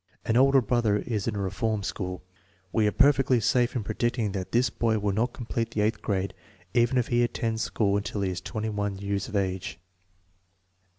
An older brother is in a reform school. We are perfectly safe in predicting that this boy will not complete the eighth grade even if he attends school till he is 21 years of age.